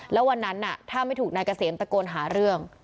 แล้ววันนั้นถ้าไม่ถูกนายเกษมตะโกนหาเรื่อง